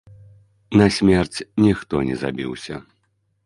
Насмерць ніхто не забіўся.